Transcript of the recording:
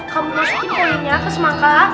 kamu masukin poinnya ke semangkanya